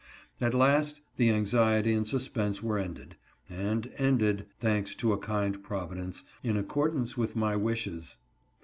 At last the anxiety and suspense were ended ; and ended, thanks to a kind Providence, in accordance with my wishes.